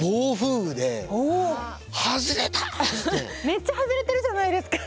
めっちゃ外れてるじゃないですか。